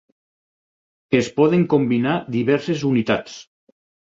Es poden combinar diverses unitats.